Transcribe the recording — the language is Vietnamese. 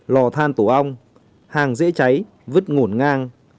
lò than tổ ong hàng dễ cháy vứt ngổn ngang